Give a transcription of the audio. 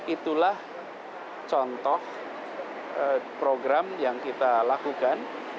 itulah contoh program yang kita lakukan